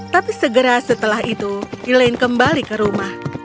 tapi segera setelah itu elaine kembali ke rumah